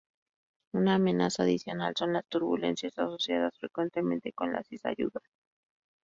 Una amenaza adicional son las turbulencias asociadas frecuentemente con la cizalladura.